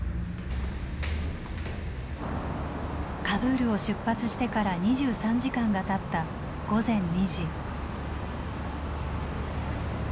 カブールを出発してから２３時間がたった午前２時。